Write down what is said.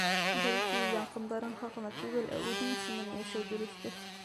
Бәлки, яҡындарың хаҡына түгел, ә үҙең өсөн генә йәшәү дөрөҫтөр?